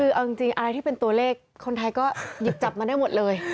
คือเอาจริงอะไรที่เป็นตัวเลขคนไทยก็หยิบจับมาได้หมดเลย